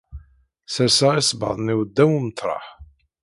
Serseɣ isebbaḍen-iw ddaw umeṭreḥ.